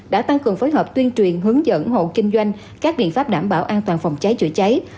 đã tăng cường phối hợp tuyên truyền hướng dẫn hộ kinh doanh các biện pháp đảm bảo an toàn phòng cháy chữa cháy